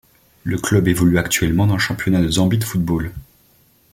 Le club évolue actuellement dans le championnat de Zambie de football.